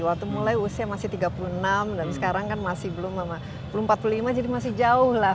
waktu mulai usia masih tiga puluh enam dan sekarang kan masih belum empat puluh lima jadi masih jauh lah